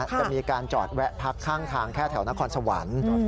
จะมีการจอดแวะพักข้างทางแค่แถวนครสวรรค์